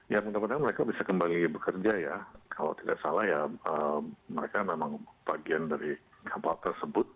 ya mudah mudahan mereka bisa kembali bekerja ya kalau tidak salah ya mereka memang bagian dari kapal tersebut